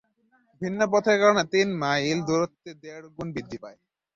ভিন্ন পথের কারণে তিন মাইল দূরত্ব দেড় গুণ বৃদ্ধি পায়।